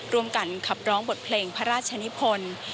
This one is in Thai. ร่วมกันขับร้องบทเพลงพระราชนิพล